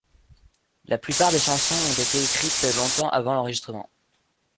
La plupart des chansons ont été écrites longtemps avant l'enregistrement.